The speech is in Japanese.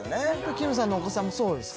きむさんのお子さんもそうですか？